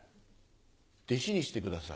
弟子にしてください。